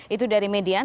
itu dari median